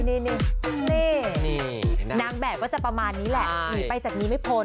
นี่นางแบบก็จะประมาณนี้แหละหนีไปจากนี้ไม่พ้น